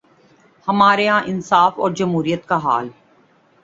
ہمارے ہاں انصاف اور جمہوریت کا حال۔